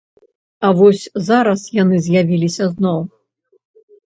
А вось зараз яны з'явіліся зноў.